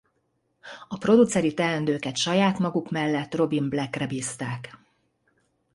A produceri teendőket saját maguk mellett Robin Blackre bízták.